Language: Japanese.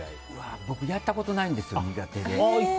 僕、やったことないんです苦手で。